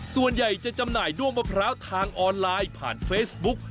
ส่วนใหญ่จะจำหน่ายด้วงมะพร้าวทางออนไลน์ผ่านเฟซบุ๊ก